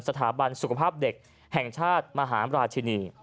สถาบันสุขภาพเด็กแห่งชาติมหาราชินี